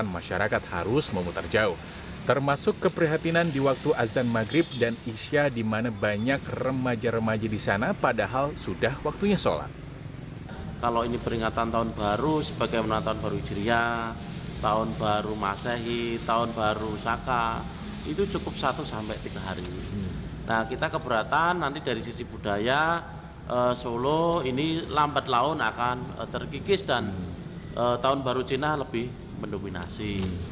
nah kita keberatan nanti dari sisi budaya solo ini lambat laun akan terkikis dan tahun baru cina lebih mendominasi